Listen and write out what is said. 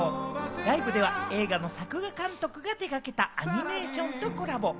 ライブでは、映画の作画監督が手がけたアニメーションとコラボ。